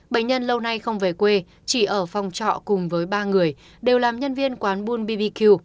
bệnh nhân lâu nay không về quê chỉ ở phòng trọ cùng với ba người đều làm nhân viên quán bun bbq